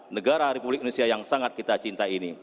negara republik indonesia yang sangat kita cinta ini